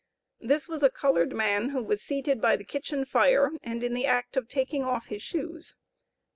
This was a colored man, who was seated by the kitchen fire, and in the act of taking off his shoes.